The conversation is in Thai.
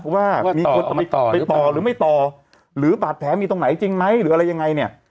ว่ามีคนเอาไปต่อไปต่อหรือไม่ต่อหรือบาดแผลมีตรงไหนจริงไหมหรืออะไรยังไงเนี่ย